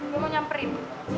gue mau nyamperin